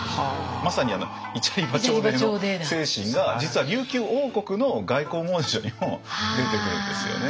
まさにイチャリバチョーデーの精神が実は琉球王国の外交文書にも出てくるんですよね。